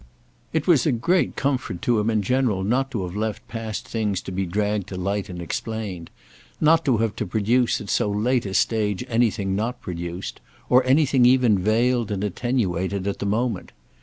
It was a great comfort to him in general not to have left past things to be dragged to light and explained; not to have to produce at so late a stage anything not produced, or anything even veiled and attenuated, at the moment.